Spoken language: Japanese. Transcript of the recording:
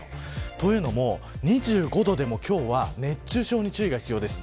というのも２５度でも今日は熱中症に注意が必要です。